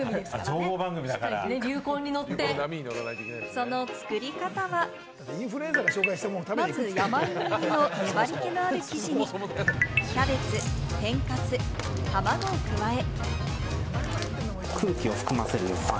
その作り方は、まず山芋入りの粘り気のある生地に、キャベツ、天かす、卵を加え。